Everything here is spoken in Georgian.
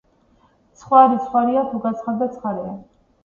ხვარი ცხვარია თუ გაცხარდა ცხარეა.